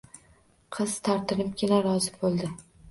Qiz tortinibgina rozi bo`ldi